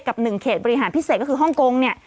กับ๑เขตบริหารพิเศษก็คือฮ่องกง